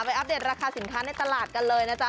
อัปเดตราคาสินค้าในตลาดกันเลยนะจ๊